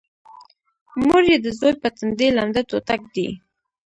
مور یې د زوی په تندي لمده ټوټه ږدي